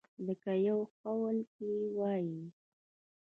لکه يو قول کښې وائي ۔